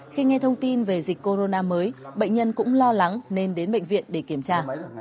khi nghe thông tin về dịch corona mới bệnh nhân cũng lo lắng nên đến bệnh viện để kiểm tra